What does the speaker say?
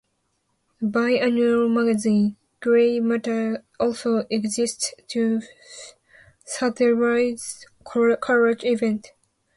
A bi-annual magazine, "Grey Matter", also exists to satirize college events.